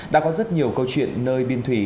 đã có rất nhiều câu chuyện nơi biên thủy